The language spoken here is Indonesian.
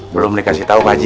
belum dikasih tau pak ji